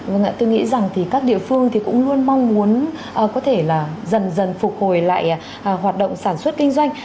vâng ạ tôi nghĩ rằng thì các địa phương thì cũng luôn mong muốn có thể là dần dần phục hồi lại hoạt động sản xuất kinh doanh